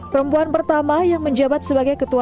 perempuan pertama yang menjabat sebagai ketua